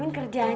ini sudah zaman